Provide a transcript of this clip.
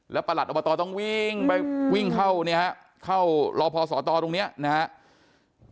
ประหลัดอบตต้องวิ่งไปวิ่งเข้าเนี่ยฮะเข้ารอพอสตตรงนี้นะครับ